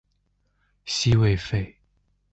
西魏废。